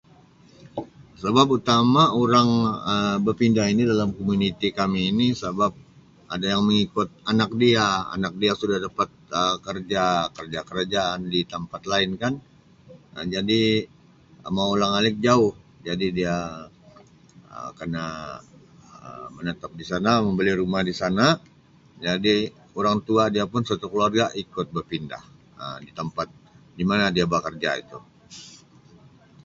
Sabab utama Um orang berpindah ini dalam komuniti kami ini sabab ada yang mengikut anak dia, anak dia sudah dapat Um karja, karja karajaan di tempat lain kan Um jadi mau ulang alik jauh. Jadi dia Um kena Um menetap di sana, membeli rumah di sana, jadi orang tua dia pun satu keluarga ikut berpindah. Um Di tempat di mana dia bakarja itu.